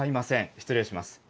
失礼します。